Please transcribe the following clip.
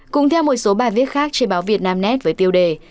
cùng theo một số bài viết khác trên báo việt nam net với tiêu đề